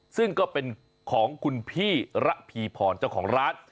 ซึ่งก็เป็นของคุณพี่ระพีพรเจ้าของร้าน